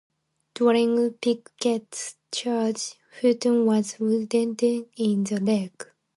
During Pickett's Charge, Hunton was wounded in the leg.